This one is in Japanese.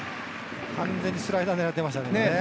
完全にスライダーを狙ってましたね。